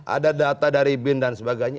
ada data dari bin dan sebagainya